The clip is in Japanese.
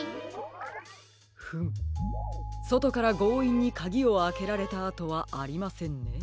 フムそとからごういんにかぎをあけられたあとはありませんね。